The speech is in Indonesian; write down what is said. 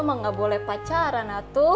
emang gak boleh pacaran